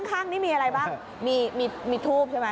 ข้างนี้มีอะไรบ้างมีทูบใช่ไหม